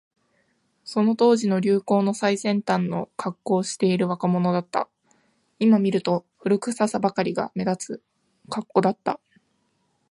その当時の流行の最先端のカッコをしている若者だった。今見ると、古臭さばかりが目立つカッコだった。